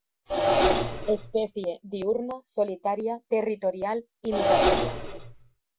Especie diurna, solitaria, territorial y migratoria.